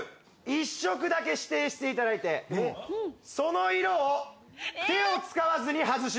１色だけ指定していただいてその色を手を使わずに外します。